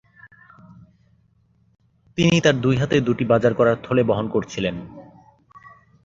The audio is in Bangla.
তিনি তার দুই হাতে দুটি বাজার করার থলে বহন করছিলেন।